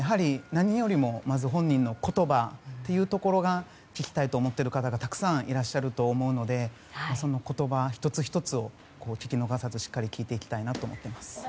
何よりもまず本人の言葉というところが聞きたいと思っている方がたくさんいらっしゃると思うのでその言葉１つ１つを聞き逃さずにしっかりと聞いていきたいなと思っています。